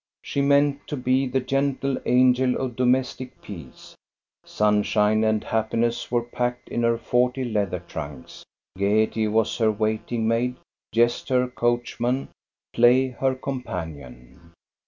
She meant to be the gentle angel of domestic peace. Sunshine and happiness were packed in her forty leather trunks, Gayety was her waiting maid. Jest her coachman, Play her companion.